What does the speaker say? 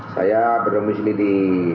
saya berdomisili di